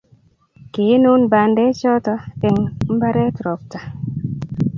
kiinun bandek choto eng' mbaret robta